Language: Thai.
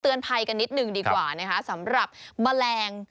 ภัยกันนิดนึงดีกว่านะคะสำหรับแมลง